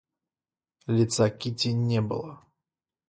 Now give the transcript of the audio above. Лица Кити не было.